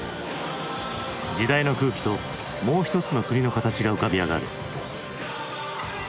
時代の空気ともう一つの国の形が浮かび上がる。